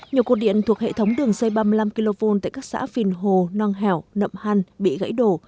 nhiều cột điện thuộc hệ thống đường dây ba mươi năm kv tại các xã phìn hồ nong hẻo nậm hăn bị gãy đổ